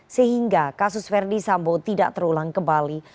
sehingga kasus verdi sambo tidak terulang kembali